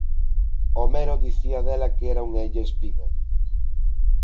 Homero dicía dela que era unha «illa espida».